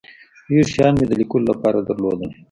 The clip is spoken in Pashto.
ډیر شیان مې د لیکلو له پاره درلودل.